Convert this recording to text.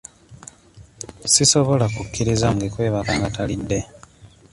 Sisobola kukkiriza mwana wange kwebaka nga talidde.